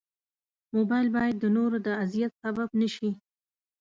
موبایل باید د نورو د اذیت سبب نه شي.